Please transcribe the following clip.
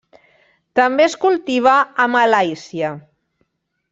També es cultiva a Malàisia.